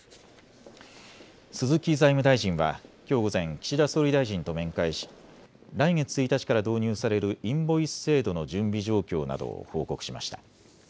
鈴木財務大臣はきょう午前、岸田総理大臣と面会し来月１日から導入されるインボイス制度の準備状況などを報告しました。